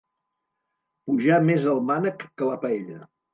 Pujar més el mànec que la paella.